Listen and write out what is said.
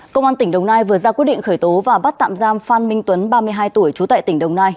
công an tỉnh đồng nai vừa ra quyết định khởi tố và bắt tạm giam phan minh tuấn ba mươi hai tuổi trú tại tỉnh đồng nai